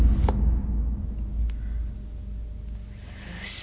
嘘。